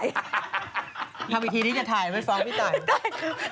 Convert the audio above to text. ทำอีกทีิหนิแถ่ไม่ฟ้องพี่ไต่